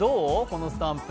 このスタンプ。